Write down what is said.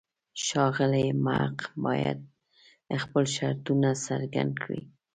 ښاغلی محق باید خپل شرطونه څرګند کړي.